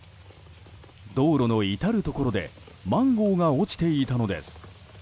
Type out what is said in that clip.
道路の至るところでマンゴーが落ちていたのです。